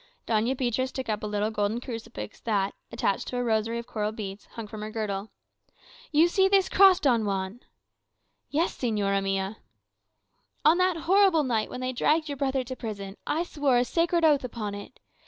Doña Beatriz took up a little golden crucifiz that, attached to a rosary of coral beads, hung from her girdle. "You see this cross, Don Juan?" "Yes, señora mia." "On that horrible night when they dragged your brother to prison, I swore a sacred oath upon it.